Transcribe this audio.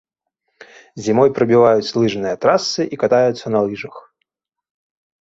Зімой прабіваюць лыжныя трасы і катаюцца на лыжах.